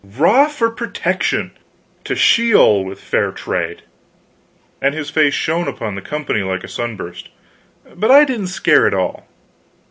'Rah for protection to Sheol with free trade!" And his face shone upon the company like a sunburst. But I didn't scare at all.